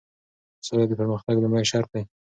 سوله د پرمختګ لومړی شرط دی.